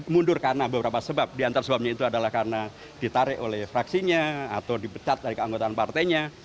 mundur karena beberapa sebab diantara sebabnya itu adalah karena ditarik oleh fraksinya atau dipecat dari keanggotaan partainya